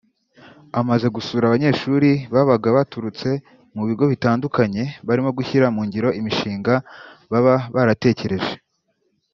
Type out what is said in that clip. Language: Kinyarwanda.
Amaze gusura abanyeshuri babaga baturutse ku bigo bitandukanye barimo gushyira mu ngiro imishinga baba baratekereje